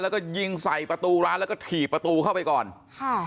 แล้วก็ยิงใส่ประตูร้านแล้วก็ถี่ประตูเข้าไปก่อนค่ะ